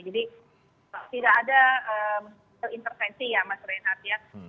jadi tidak ada intervensi ya mas reinhard ya